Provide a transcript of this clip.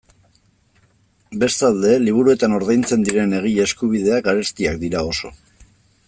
Bestalde, liburuetan ordaintzen diren egile eskubideak garestiak dira oso.